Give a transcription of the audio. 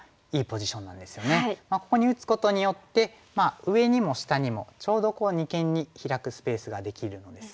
ここに打つことによって上にも下にもちょうど二間にヒラくスペースができるのですが。